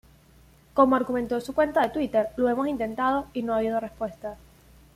Como argumentó en su cuenta de Twitter: ""Lo hemos intentando, y no habido respuesta.